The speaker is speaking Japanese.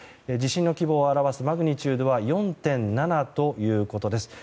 地震の規模を表すマグニチュードは４．７ということです。